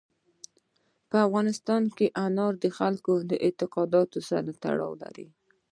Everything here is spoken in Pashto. په افغانستان کې انار د خلکو د اعتقاداتو سره تړاو لري.